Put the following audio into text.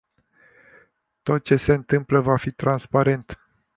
Tot ce se întâmplă va fi transparent.